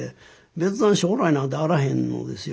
別段将来なんてあらへんのですよ。